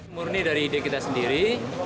murni dari ide kita sendiri